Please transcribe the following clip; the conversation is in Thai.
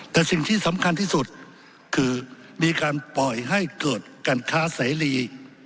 แต่สิ่งที่สำคัญที่สุดคือมีการปล่อยให้เกิดการค้าเสรี